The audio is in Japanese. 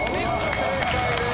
正解です。